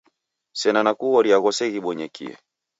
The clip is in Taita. Sena nakughoria ghose ghibonyekie